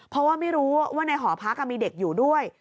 เพราะว่าไม่รู้ว่าในหอพักมีเด็กอยู่ด้วย